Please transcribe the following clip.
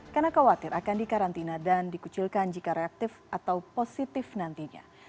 karena khawatir akan dikarantina dan dikucilkan jika reaktif atau positif nantinya